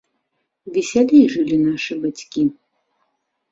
Весялей жылі нашы бацькі.